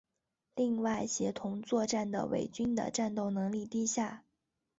另外协同作战的伪军的战斗能力低下。